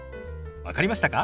分かりましたか？